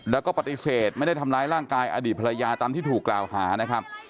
แล้วก็ปฏิเสธไม่ได้ทำร้ายร่างกายอดีตภรรยาตามที่ถูกกล่าวหานะครับ